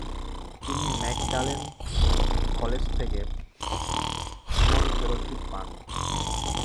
তিনি Magdalen college থেকে ভ্রমণ ফেলোশিপ পান।